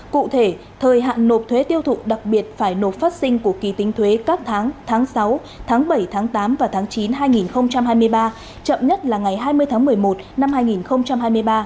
cụ thể thời hạn nộp thuế tiêu thụ đặc biệt phải nộp phát sinh của kỳ tính thuế các tháng tháng sáu tháng bảy tháng tám và tháng chín hai nghìn hai mươi ba chậm nhất là ngày hai mươi tháng một mươi một năm hai nghìn hai mươi ba